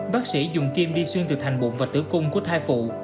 bác sĩ dùng kim đi xuyên từ thành bụng và tử cung của thai phụ